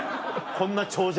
こんな長尺。